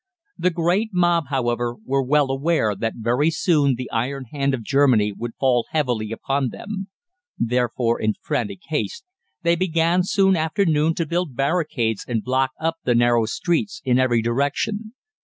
"The great mob, however, were well aware that very soon the iron hand of Germany would fall heavily upon them; therefore, in frantic haste, they began soon after noon to build barricades and block up the narrow streets in every direction.